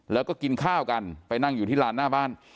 แล้วก็กินข้าวกันไปนั่งอยู่ที่ลานหน้าบ้าน